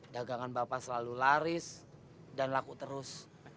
dagangan bapak selalu laris dan laku terus